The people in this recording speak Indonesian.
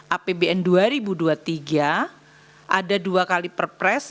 apbn dua ribu dua puluh tiga ada dua kali perpres